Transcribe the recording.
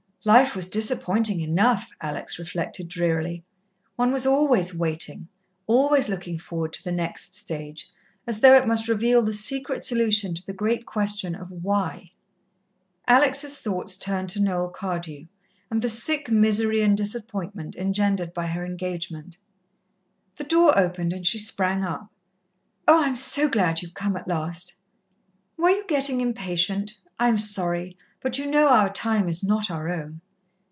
Life was disappointing enough, Alex reflected drearily. One was always waiting, always looking forward to the next stage, as though it must reveal the secret solution to the great question of why. Alex' thoughts turned to Noel Cardew and the sick misery and disappointment engendered by her engagement. The door opened and she sprang up. "Oh, I am so glad you have come at last." "Were you getting impatient? I'm sorry, but you know our time is not our own."